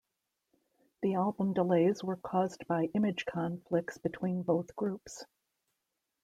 The album delays were caused by image conflicts between both groups.